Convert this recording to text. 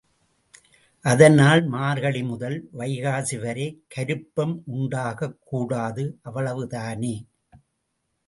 அதனால் மார்கழி முதல் வைகாசி வரை கருப்பம் உண்டாகக் கூடாது, அவ்வளவுதானே.